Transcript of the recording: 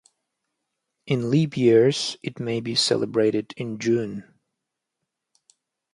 In leap years it may be celebrated in June.